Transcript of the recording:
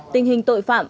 tình hình tội phạm